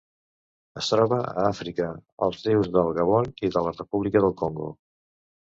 Es troba a Àfrica: els rius del Gabon i de la república del Congo.